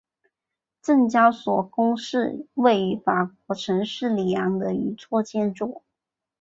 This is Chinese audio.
证交所宫是位于法国城市里昂的一座建筑。